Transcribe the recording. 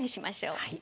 はい。